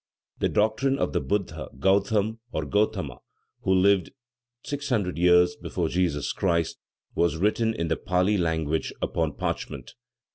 The doctrine of the Buddha Gauthama or Gothama, who lived 600 years before Jesus Christ, was written in the Pali language upon parchment.